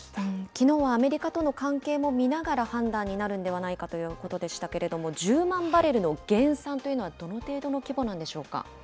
きのうは、アメリカとの関係も見ながら判断になるんではないかということでしたけれども、１０万バレルの減産というのは、どの程度の規模なんでしょうか。